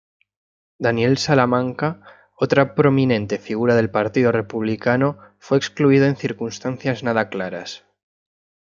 Daniel Salamanca, otra prominente figura del Partido Republicano, fue excluido en circunstancias nada claras.